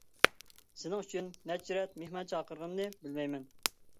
سېنىڭ ئۈچۈن نەچچە رەت مېھمان چاقىرغىنىمنى بىلمەيمەن.